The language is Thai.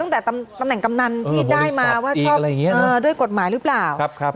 ตั้งแต่ตำแหน่งกำนันที่ได้มาว่าชอบด้วยกฎหมายหรือเปล่า